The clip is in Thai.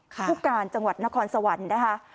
ผู้การจังหวัดนครสวรรค์นะคะ